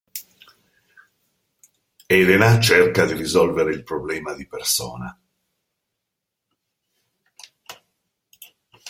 Elena cerca di risolvere il problema di persona.